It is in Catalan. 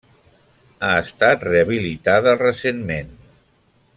Ha estat rehabilitada recentment.